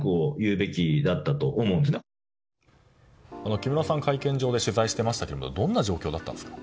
木村さん、会見場で取材していましたけどもどんな状況だったんですか？